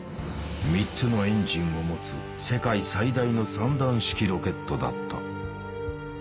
３つのエンジンを持つ世界最大の三段式ロケットだった。